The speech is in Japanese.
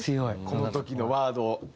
この時のワード。